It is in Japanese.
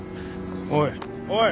おいおい！